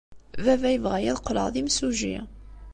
Baba yebɣa-iyi ad qqleɣ d imsujji.